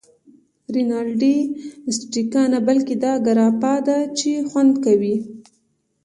رینالډي: سټریګا نه، بلکې دا ګراپا ده چې خوند کوی.